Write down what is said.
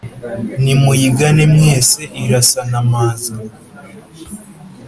nimuyigane mwese irasa na maza.